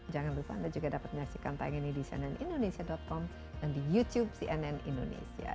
jangan lupa anda juga dapat menyaksikan tayang ini di cnnindonesia com dan di youtube cnn indonesia